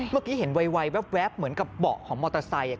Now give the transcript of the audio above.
เมื่อกี้เห็นไวแว๊บเหมือนกับเบาะของมอเตอร์ไซค์